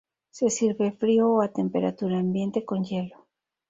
Se sirve frío o a temperatura ambiente con hielo.